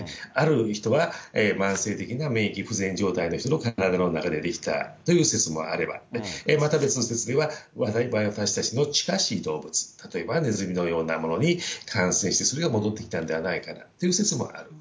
ある人は、慢性的な免疫不全状態の人の、体の中でできたという説もあれば、また別の説では、私たちの近しい動物、例えば、ネズミのようなものに感染して、それが戻ってきたんではないかという説もある。